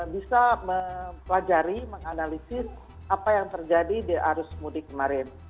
bisa mempelajari menganalisis apa yang terjadi di arus mudik kemarin